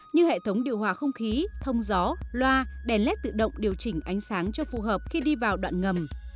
như hệ thống điều hòa không khí thông gió loa đèn led tự động điều chỉnh ánh sáng cho phù hợp khi đi vào đoạn ngầm